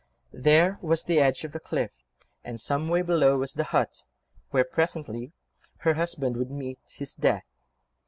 There was the edge of the cliff, and some way below was the hut, where presently, her husband would meet his death.